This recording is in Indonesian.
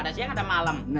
ada siang ada malam